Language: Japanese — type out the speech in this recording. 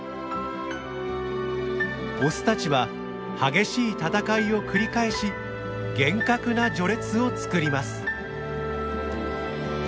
オスたちは激しい闘いを繰り返し厳格な序列を作ります。